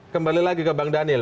kembali lagi ke bang daniel